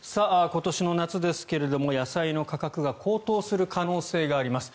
今年の夏ですけれども野菜の価格が高騰する可能性があります。